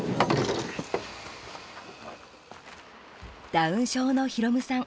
ダウン症の宏夢さん